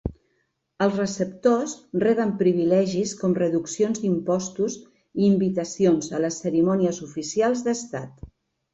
Els receptors reben privilegis com reduccions d'impostos i invitacions a les cerimònies oficials d'estat.